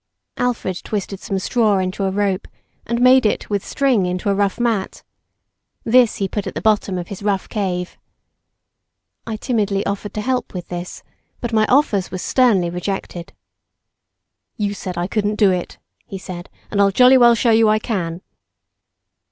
Alfred twisted some straw into a rope and made it, with string, into a rough mat. This be put at the bottom of his rough cave. I timidly offered to help with this, but my offers were sternly rejected. "You said I couldn't do it," he said, "and I'll jolly well show you I can."